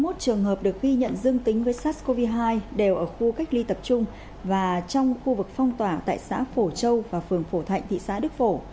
hai mươi một trường hợp được ghi nhận dương tính với sars cov hai đều ở khu cách ly tập trung và trong khu vực phong tỏa tại xã phổ châu và phường phổ thạnh thị xã đức phổ